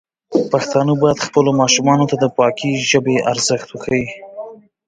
پښتانه بايد خپلو ماشومانو ته د پاکې ژبې ارزښت وښيي.